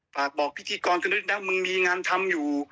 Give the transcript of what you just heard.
ปากบอกพิธีกรทำยังมีงานทำอยู่